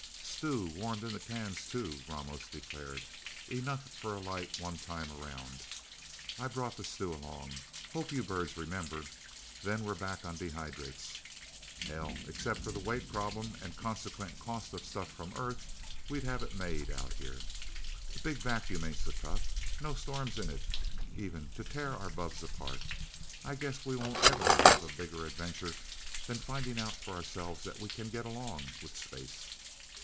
"Stew, warmed in the cans, too," Ramos declared. "Enough for a light one time around. I brought the stew along. Hope you birds remember. Then we're back on dehydrates. Hell, except for that weight problem and consequent cost of stuff from Earth, we'd have it made, Out Here. The Big Vacuum ain't so tough no storms in it, even, to tear our bubbs apart. I guess we won't ever have a bigger adventure than finding out for ourselves that we can get along with space."